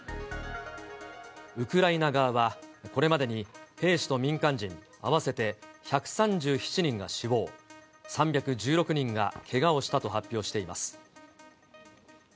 ウクライナ側は、これまでに兵士と民間人合わせて１３７人が死亡、３１６人がけがをしたと発表しています。